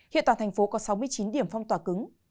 hiện toàn thành phố có sáu mươi chín điểm phong tỏa cứng